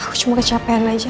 aku cuma kecapean aja